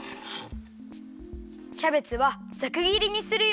キャベツはざくぎりにするよ。